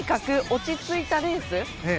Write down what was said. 落ち着いたレース。